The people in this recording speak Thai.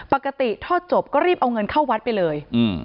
ปกติทอดจบก็รีบเอาเงินเข้าวัดไปเลย